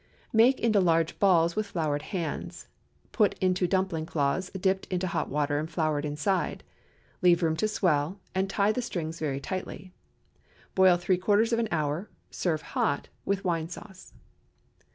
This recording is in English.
Make into large balls with floured hands; put into dumpling cloths dipped into hot water and floured inside; leave room to swell, and tie the strings very tightly. Boil three quarters of an hour. Serve hot with wine sauce.